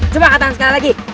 coba katakan sekali lagi